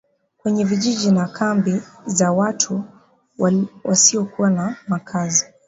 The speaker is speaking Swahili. kwenye vijiji na kambi za watu wasiokuwa na makazi